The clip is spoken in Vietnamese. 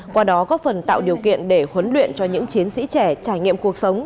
qua đó góp phần tạo điều kiện để huấn luyện cho những chiến sĩ trẻ trải nghiệm cuộc sống